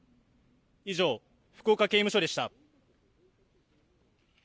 以上、福岡刑務所でした。